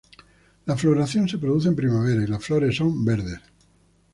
La floración se produce en primavera y las flores son verdes.